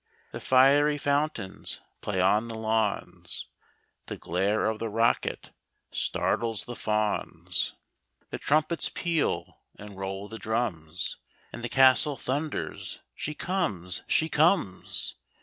The fiery fountains play on the lawns, The glare of the rocket startles the fawns. 77 78 THE CLOCKS OF KENILWORTH. The trumpets peal, and roll the drums, And the Castle thunders, " She comes, she comes